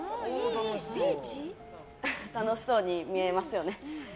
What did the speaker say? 楽しそうに見えますよね。